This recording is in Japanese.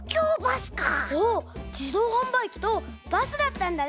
じどうはんばいきとバスだったんだね。